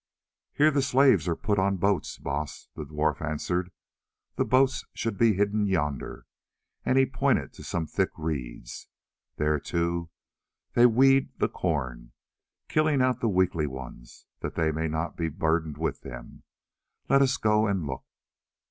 "Here the slaves are put on boats, Baas," the dwarf answered. "The boats should be hidden yonder," and he pointed to some thick reeds. "There too they 'weed the corn,' killing out the weakly ones, that they may not be burdened with them. Let us go and look."